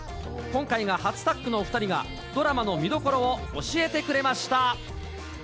今回が初タッグのお２人が、ドラマの見どころを教えてくれま